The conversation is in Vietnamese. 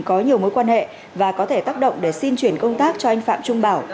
có nhiều mối quan hệ và có thể tác động để xin chuyển công tác cho anh phạm trung bảo